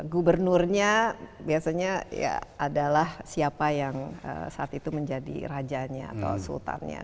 gubernurnya biasanya ya adalah siapa yang saat itu menjadi rajanya atau sultannya